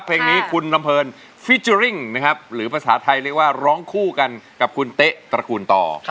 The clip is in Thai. เพลงนี้คุณลำเพลินฟิเจอร์ริ่งนะครับหรือภาษาไทยเรียกว่าร้องคู่กันกับคุณเต๊ะตระกูลต่อ